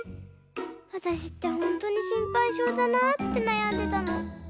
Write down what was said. わたしってほんとに心配性だなってなやんでたの。